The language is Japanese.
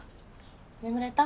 眠れた？